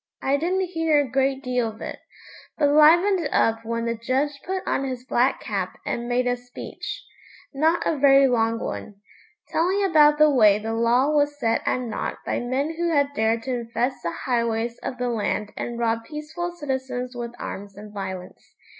I didn't hear a great deal of it, but 'livened up when the judge put on his black cap and made a speech, not a very long one, telling about the way the law was set at naught by men who had dared to infest the highways of the land and rob peaceful citizens with arms and violence.